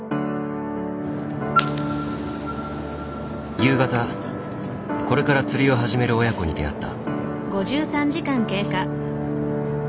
夕方これから釣りを始める親子に出会った。